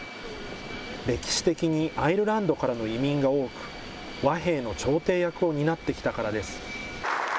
歴史的にアイルランドからの移民が多く、和平の調停役を担ってきたからです。